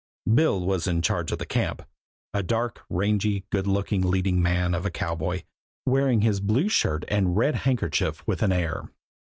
... Bill was in charge of the camp a dark, rangy, good looking leading man of a cowboy, wearing his blue shirt and his red neckerchief with an air.